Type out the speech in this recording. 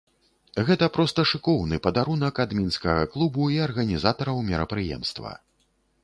Гэта проста шыкоўны падарунак ад мінскага клубу і арганізатараў мерапрыемства.